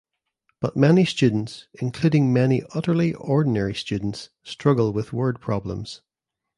But many students, including many utterly ordinary students, struggle with word problems